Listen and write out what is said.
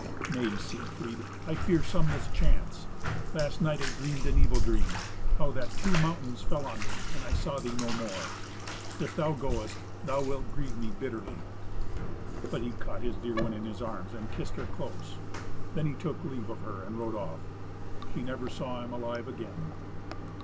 "Nay, Siegfried, I fear some mischance. Last night I dreamed an evil dream: how that two mountains fell on thee, and I saw thee no more. If thou goest, thou wilt grieve me bitterly." But he caught his dear one in his arms and kissed her close; then he took leave of her and rode off. She never saw him alive again.